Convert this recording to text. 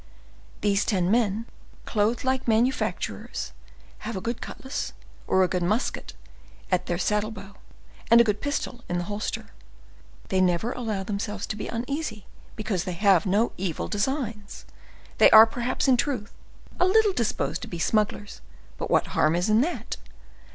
These ten men, clothed like manufacturers, have a good cutlass or a good musket at their saddle bow, and a good pistol in the holster. They never allow themselves to be uneasy, because they have no evil designs. They are, perhaps, in truth, a little disposed to be smugglers, but what harm is in that?